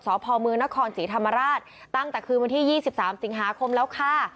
สพมนครศรีธรรมราชตั้งแต่คืนวันที่๒๓สิงหาคมแล้วค่ะ